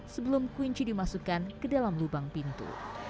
sebelum kunci dimasukkan ke dalam lubang pintu